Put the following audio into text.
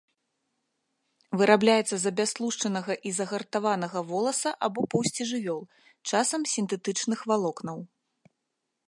Вырабляецца з абястлушчанага і загартаванага воласа або поўсці жывёл, часам сінтэтычных валокнаў.